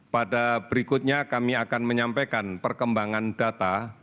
pada berikutnya kami akan menyampaikan perkembangan data